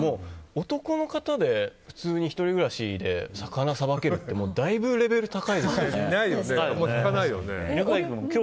男の方で普通に１人暮らしで魚さばけるってだいぶレベル高いですよね。